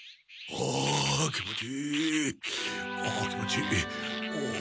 お気持ちいい！